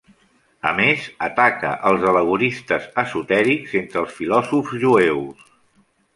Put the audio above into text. A més, ataca els al·legoristes esotèrics entre els filòsofs jueus.